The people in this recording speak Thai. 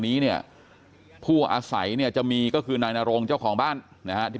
นี้เนี่ยผู้อาศัยเนี่ยจะมีก็คือนายนโรงเจ้าของบ้านนะฮะที่